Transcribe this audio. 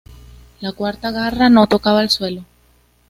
La cuarta garra no tocaba el suelo.